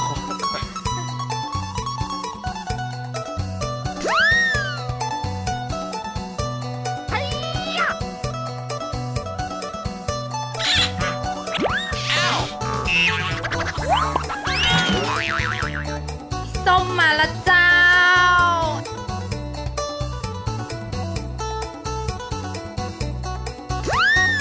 ส้มมาแล้วเจ้า